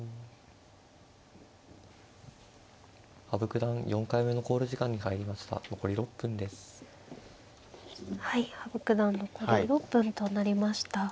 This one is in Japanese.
羽生九段４回目の考慮時間に入りました。